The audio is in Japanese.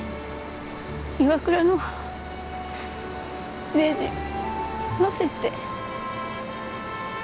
ＩＷＡＫＵＲＡのねじ載せて。